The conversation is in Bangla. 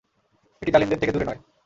এটি জালিমদের থেকে দূরে নয়।